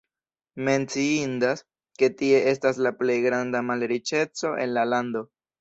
Menciindas, ke tie estas la plej granda malriĉeco en la lando.